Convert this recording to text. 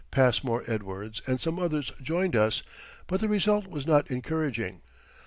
Passmore Edwards and some others joined us, but the result was not encouraging.